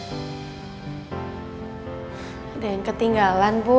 ada yang ketinggalan bu